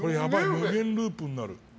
無限ループになる。